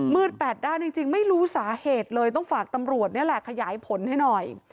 แปดด้านจริงไม่รู้สาเหตุเลยต้องฝากตำรวจนี่แหละขยายผลให้หน่อย